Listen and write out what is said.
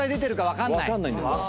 分かんないんですよ。